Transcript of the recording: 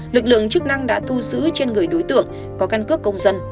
lực lượng chức năng đã thu giữ trên người đối tượng có căn cước công dân